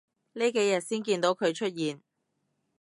呢幾日先見到佢出現